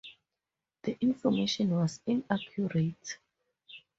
The information was inaccurate.